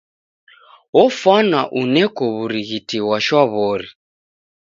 Ofwana uneko w'urighiti ghwa shwaw'ori.